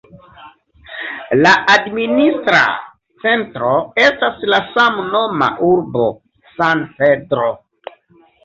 La administra centro estas la samnoma urbo San Pedro.